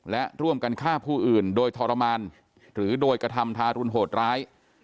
และร่วมกันฆ่าผู้อื่นโดยทรมานหรือโดยกระทำทารุณโหดร้าย